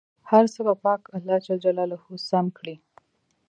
هر څه به پاک الله جل جلاله سم کړي.